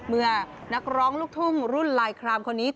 เมื่อนักร้องลูกทุ่งรุ่นลายครามคนนี้